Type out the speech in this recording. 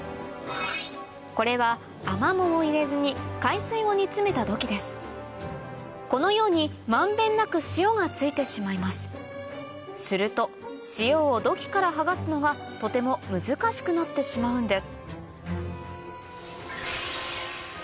これはこのように満遍なく塩が付いてしまいますすると塩を土器から剥がすのがとても難しくなってしまうんです